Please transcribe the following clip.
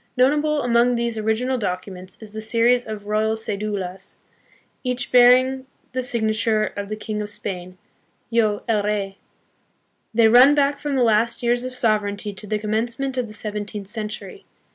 Notable among these original documents is the series of Royal Ce"dulas, each bearing the signature of the King of Spain, " Yo, el Rey." They run back from the last years of sovereignty to the commencement of the seven teenth century.